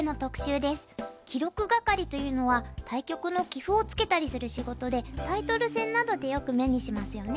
記録係というのは対局の棋譜をつけたりする仕事でタイトル戦などでよく目にしますよね。